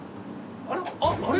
あれ？